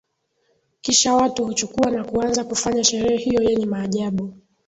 Kisha watu huchukua na kuanza kufanya sherehe hiyo yenye maajabu